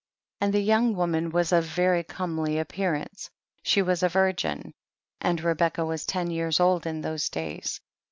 40. And the young woman was of very comely appearance, she was a virgin, and Rebecca was ten years old in those days.